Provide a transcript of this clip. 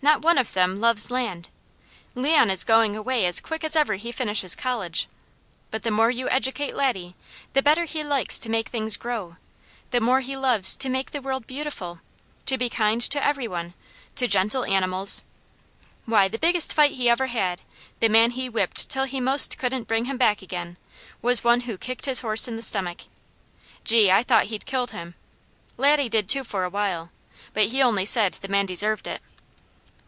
Not one of them loves land. Leon is going away as quick as ever he finishes college; but the more you educate Laddie, the better he likes to make things grow, the more he loves to make the world beautiful, to be kind to every one, to gentle animals why, the biggest fight he ever had, the man he whipped 'til he most couldn't bring him back again, was one who kicked his horse in the stomach. Gee, I thought he'd killed him! Laddie did too for a while, but he only said the man deserved it."